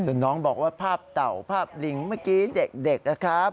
ส่วนน้องบอกว่าภาพเต่าภาพลิงเมื่อกี้เด็กนะครับ